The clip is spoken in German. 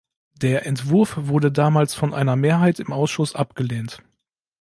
Der Entwurf wurde damals von einer Mehrheit im Ausschuss abgelehnt.